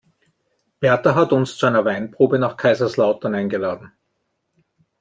Berta hat uns zu einer Weinprobe nach Kaiserslautern eingeladen.